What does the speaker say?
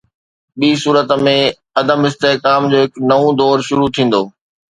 ٻي صورت ۾، عدم استحڪام جو هڪ نئون دور شروع ٿيندو.